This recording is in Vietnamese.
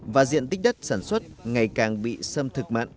và diện tích đất sản xuất ngày càng bị sâm thực mặn